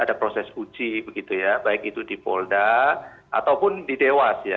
jadi kita harus menghargai proses uji begitu ya baik itu di polda ataupun di dewas ya